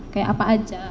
kayak apa aja